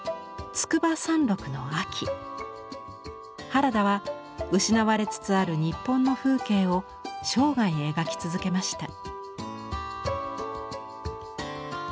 原田は失われつつある日本の風景を生涯描き続けました。